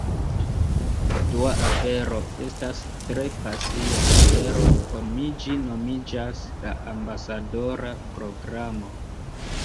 Dua afero, estas tre pasia afero por mi ĝi nomiĝas "La ambasadora programo"